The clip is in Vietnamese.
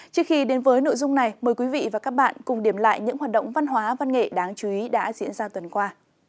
trước khi đến với nội dung này mời quý vị và các bạn cùng điểm lại những hoạt động văn hóa văn nghệ đáng chú ý đã diễn ra tuần qua